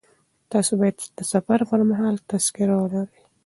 تاسي باید د سفر پر مهال تذکره ولرئ.